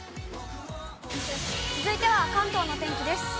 続いては関東のお天気です。